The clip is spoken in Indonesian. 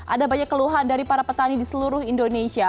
ada banyak keluhan dari para petani di seluruh indonesia